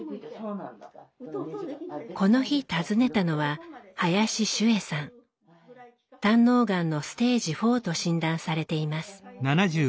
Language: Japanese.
この日訪ねたのは胆のうがんのステージ４と診断されています。